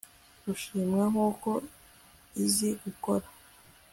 Gushimwa nkuko izi gukora